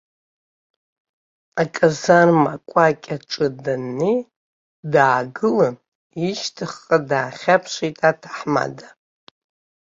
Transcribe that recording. Аказарма акәакь аҿы даннеи даагылан, ишьҭахьҟа даахьаԥшит аҭаҳмада.